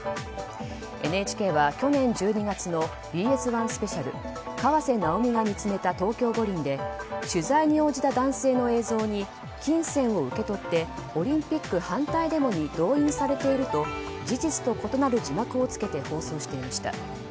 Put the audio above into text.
ＮＨＫは去年１２月のＢＳ１スペシャル「河瀬直美が見つめた東京五輪」で取材に応じた男性の映像に金銭を受け取ってオリンピック反対デモに動員されていると事実と異なる字幕をつけて放送していました。